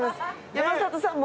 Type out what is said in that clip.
山里さん